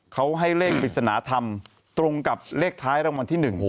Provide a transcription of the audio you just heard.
เขาให้เลขชนธรรมตรงกับเลขท้ายรับมือนที่๑